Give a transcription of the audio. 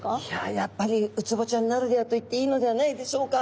いややっぱりウツボちゃんならではと言っていいのではないでしょうか。